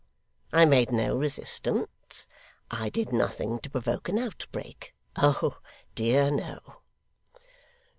I made no resistance. I did nothing to provoke an outbreak. Oh dear no!